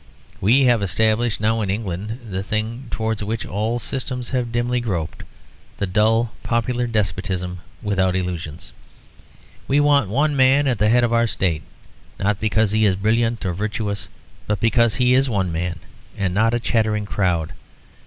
We have established now in England, the thing towards which all systems have dimly groped, the dull popular despotism without illusions. We want one man at the head of our State, not because he is brilliant or virtuous, but because he is one man and not a chattering crowd.